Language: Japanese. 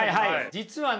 実はね